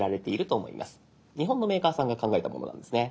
日本のメーカーさんが考えたものなんですね。